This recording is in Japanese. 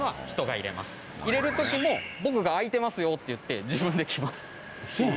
入れる時も「僕が空いてますよ」っていって自分で来ます。